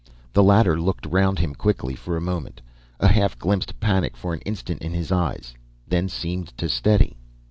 The latter looked round him quickly for a moment, a half glimpsed panic for an instant in his eyes, then seemed to steady.